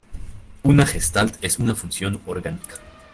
Una Gestalt es una función orgánica.